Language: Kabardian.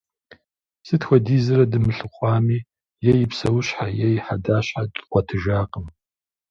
Сыт хуэдизрэ дымылъыхъуами, е и псэущхьэ е и хьэдащхьэ дгъуэтыжакъым.